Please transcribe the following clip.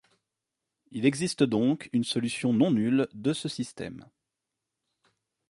Il existe donc une solution non nulle de ce système.